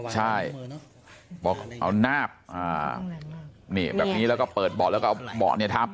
ใช่บอกเอานาบแบบนี้แล้วก็เปิดเบาะแล้วก็เอาเบาะเนี่ยทับ